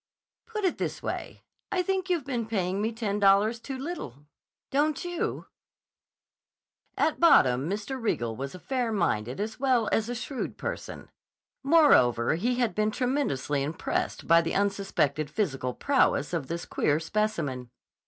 "Put it this way; I think you've been paying me ten dollars too little. Don't you?" At bottom Mr. Riegel was a fair minded as well as a shrewd person. Moreover, he had been tremendously impressed by the unsuspected physical prowess of this queer specimen.